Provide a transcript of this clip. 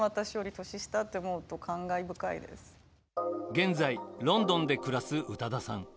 現在ロンドンで暮らす宇多田さん。